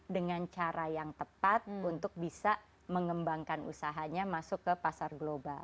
dengan cara yang tepat untuk bisa mengembangkan usahanya masuk ke pasar global